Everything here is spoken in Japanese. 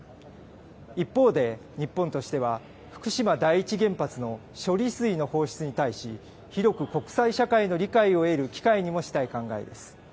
一方で、日本としては、福島第一原発の処理水の放出に対し、広く国際社会の理解を得る機会にもしたい考えです。